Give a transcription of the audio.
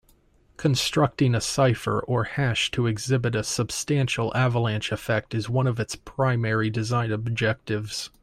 Constructing a cipher or hash to exhibit a substantial avalanche effect is one of its primary design objectives.